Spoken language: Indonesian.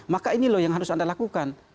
maka ini loh yang harus anda lakukan